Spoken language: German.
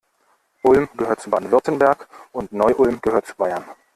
Ulm gehört zu Baden-Württemberg und Neu-Ulm gehört zu Bayern.